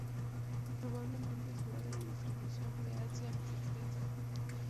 Probablemente su área de distribución real sea más extensa.